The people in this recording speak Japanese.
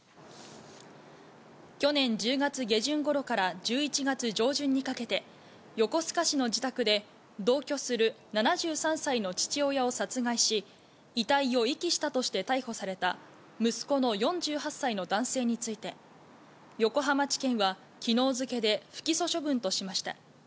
去年１０月下旬ごろから１１月上旬にかけて、横須賀市の自宅で、同居する７３歳の父親を殺害し、遺体を遺棄したとして逮捕された息子の４８歳の男性について、横浜地検は、きのう付けで不起訴処分としました。